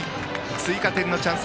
追加点のチャンス